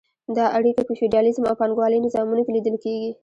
دا اړیکې په فیوډالیزم او پانګوالۍ نظامونو کې لیدل کیږي.